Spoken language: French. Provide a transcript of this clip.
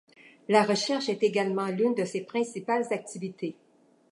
La recherche est également l'une de ses principales activités.